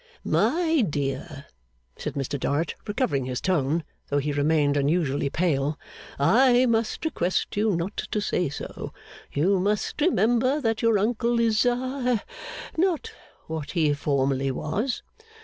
'My dear,' said Mr Dorrit, recovering his tone, though he remained unusually pale, 'I must request you not to say so. You must remember that your uncle is ha not what he formerly was.